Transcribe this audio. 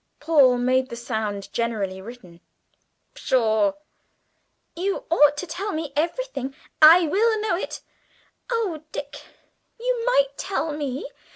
Paul made the sound generally written "Pshaw!" "You ought to tell me everything. I will know it. Oh, Dick, you might tell me!